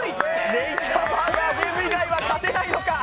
ネイチャーバーガーゲーム以外は勝てないのか？